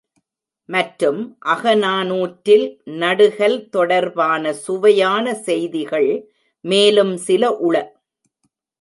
மற்றும், அகநானூற்றில் நடுகல்தொடர்பான சுவை யான செய்திகள் மேலும் சில உள.